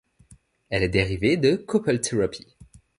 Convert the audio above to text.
Elle est dérivée de Couples Therapy.